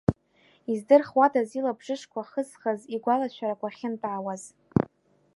Издырхуадаз илабжышқәа хызхыз игәалашәарақәа ахьынтәаауаз.